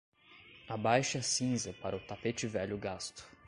Abaixe a cinza para o tapete velho gasto.